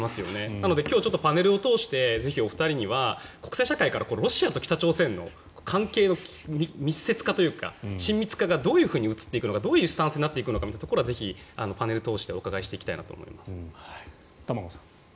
なので、今日、パネルを通してぜひお二人には国際社会からロシアと北朝鮮の関係の密接化というか親密化がどう映っていくのかどういうスタンスになっていくのかというところをパネルを通して伺っていきたいと思います。